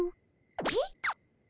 えっ？